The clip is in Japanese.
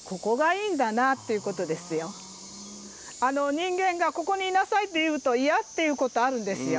人間がここにいなさいって言うと嫌って言うことあるんですよ。